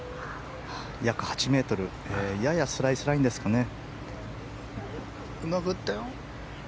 約８ｍややスライスラインですかね。